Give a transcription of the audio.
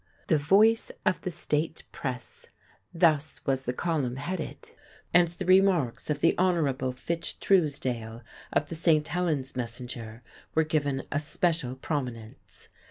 "The Voice of the State Press;" thus was the column headed; and the remarks of the Hon. Fitch Truesdale, of the St. Helen's Messenger, were given a special prominence.